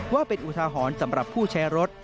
ว่าเป็นอุทาหรณ์สำหรับผู้ใช้รถ